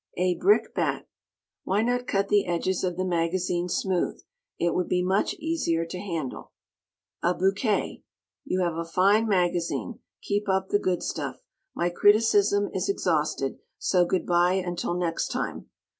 A brickbat: Why not cut the edges of the magazine smooth? It would be much easier to handle. A bouquet: You have a fine magazine. Keep up the good stuff. My criticism is exhausted, so good by until next time.